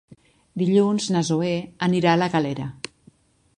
Dilluns na Zoè anirà a la Galera.